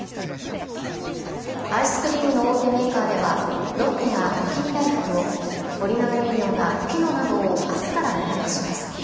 アイスクリームの大手メーカーでは、ロッテが雪見だいふくを、森永乳業がピノなどをあすから値上げします。